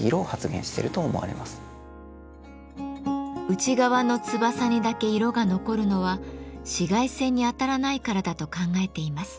内側の翼にだけ色が残るのは紫外線に当たらないからだと考えています。